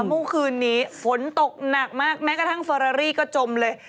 เมื่อคืนนี้ฝนตกหนักมากแม้กระทั่งเฟอรารี่ก็จมเลย